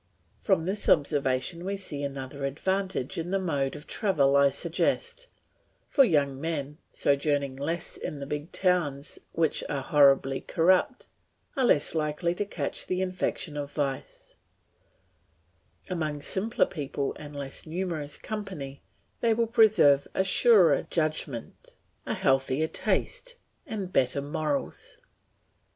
From this observation we see another advantage in the mode of travel I suggest; for young men, sojourning less in the big towns which are horribly corrupt, are less likely to catch the infection of vice; among simpler people and less numerous company, they will preserve a surer judgment, a healthier taste, and better morals.